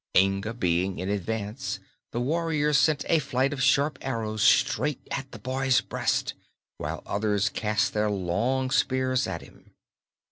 Inga being in advance, the warriors sent a flight of sharp arrows straight at the boy's breast, while others cast their long spears at him.